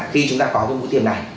khi chúng ta có cái mũi tiêm này